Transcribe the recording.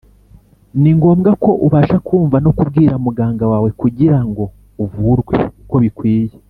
Ni ngombwa ko ubasha kumva no kubwira muganga wawe kugirango uvurwe uko bikwiye